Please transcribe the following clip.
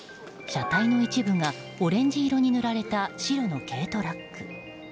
車体の一部がオレンジ色に塗られた白の軽トラック。